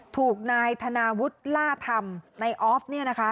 ถูกนายธนาวุฒิล่าธรรมในออฟน์เนี่ยนะคะ